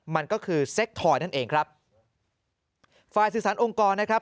มันก็คือเซ็กทอยนั่นเองครับฝ่ายสื่อสารองค์กรนะครับ